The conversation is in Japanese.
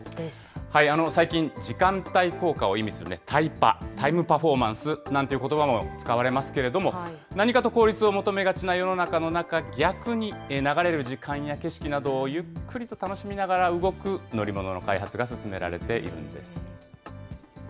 最近、時間帯効果を意味するね、タイパ・タイムパフォーマンスなんていうことばも使われますけれども、何かと効率を求めがちな世の中の中、逆に流れる時間や景色などをゆっくりと楽しみながら動く乗り物の開発が進められているんです。